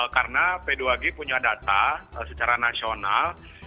karena p dua g punya data secara nasional